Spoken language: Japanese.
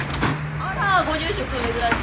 あらご住職珍しい。